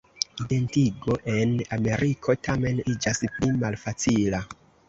Identigo en Ameriko, tamen iĝas pli malfacila.